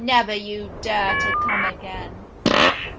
Never you dare to come again !